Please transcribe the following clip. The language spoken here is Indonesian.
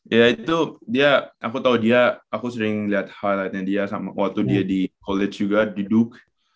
ya itu dia aku tau dia aku sering liat highlightnya dia sama waktu dia di college juga di duke